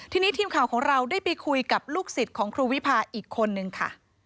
ทีนี้ทีมข่าวของเราได้ไปคุยกับลูกศิษย์ของครูวิพาอีกคนนึงค่ะ